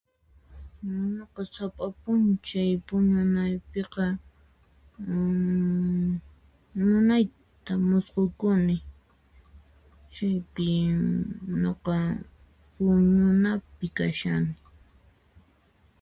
Nuqa sapa p'unchay puñunaypiqa munayta musqukuni, chaypi nuqa puñunapi kashani.